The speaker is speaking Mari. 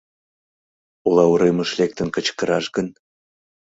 — Ола уремыш лектын кычкыраш гын?